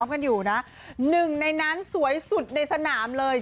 กันอยู่นะหนึ่งในนั้นสวยสุดในสนามเลย